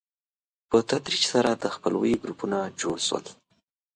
په تدریج سره د خپلوۍ ګروپونه جوړ شول.